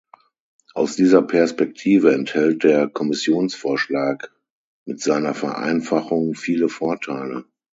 Aus dieser Perspektive enthält der Kommissionsvorschlag mit seiner Vereinfachung viele Vorteile.